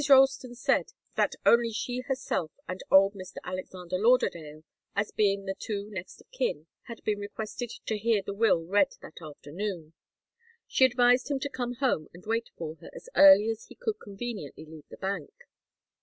Ralston said that only she herself and old Mr. Alexander Lauderdale, as being the two next of kin, had been requested to hear the will read that afternoon. She advised him to come home and wait for her, as early as he could conveniently leave the bank.